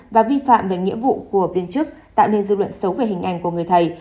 và vi phạm về nghĩa vụ của viên chức tạo nên dư luận xấu về hình ảnh của người thầy